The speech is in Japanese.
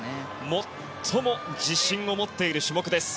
最も自信を持っている種目です。